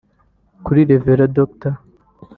Kuri Rev Dr